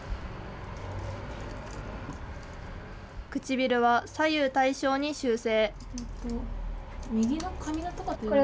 唇は左右対称に修正。